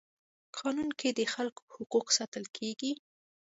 قانون کي د خلکو حقوق ساتل کيږي.